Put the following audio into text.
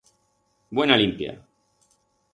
Buena limpia!